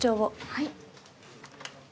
はい。